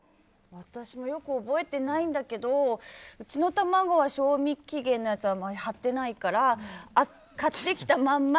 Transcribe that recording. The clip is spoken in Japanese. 私もよく覚えてないんだけどうちの卵は賞味期限のやつ貼ってないから買ってきたまんま。